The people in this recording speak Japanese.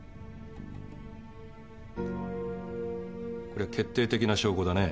〔これは決定的な証拠だね〕